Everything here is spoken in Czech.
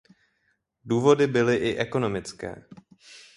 Důvody byly i ekonomické.